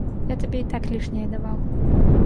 Я табе і так лішняе даваў.